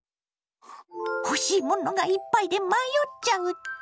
欲しいものがいっぱいで迷っちゃうって？